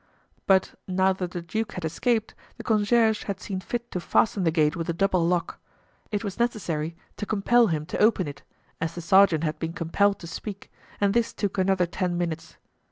But, now that the duke had escaped, the concierge had seen fit to fasten the gate with a double lock. It was necessary to compel him to open it, as the sergeant had been compelled to speak, and this took another ten minutes.